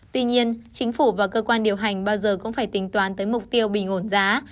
tuy nhiên chính phủ và cơ quan điều hành bao giờ cũng phải tính toán tới mục tiêu bình ổn giá